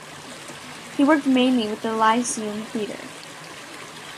He worked mainly with the Lyceum Theatre.